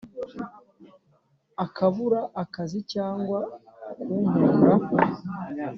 ukabura akazi cyagwa kunkunda